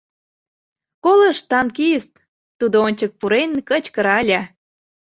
— Колышт, танкист, — тудо, ончык пурен, кычкырале.